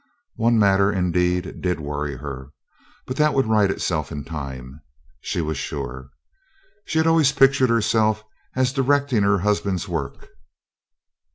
One matter, indeed, did worry her; but that would right itself in time, she was sure. She had always pictured herself as directing her husband's work.